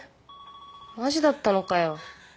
マジだったのかよ？